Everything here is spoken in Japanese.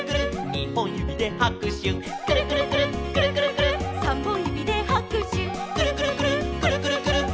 「にほんゆびではくしゅ」「くるくるくるっくるくるくるっ」「さんぼんゆびではくしゅ」「くるくるくるっくるくるくるっ」